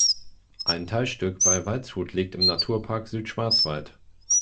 Ein Teilstück bei Waldshut liegt im Naturpark Südschwarzwald.